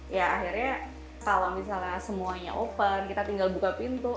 ya akhirnya kalau misalnya semuanya open kita tinggal buka pintu